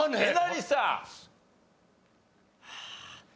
えなりさん。